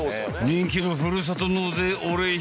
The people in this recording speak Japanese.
人気のふるさと納税お礼品